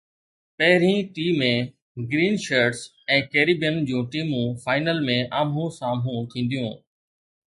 پهرئين T ۾ Green Shirts ۽ Caribbean جون ٽيمون فائنل ۾ آمهون سامهون ٿينديون